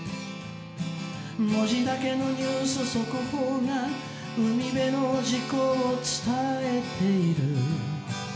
「文字だけのニュース速報が海辺の事故を伝えている」